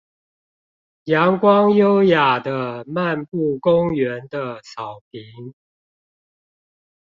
陽光優雅地漫步公園的草坪